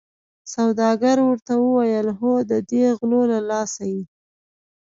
سوداګر ورته وویل هو ددې غلو له لاسه یې.